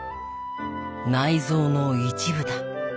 内臓の一部だ。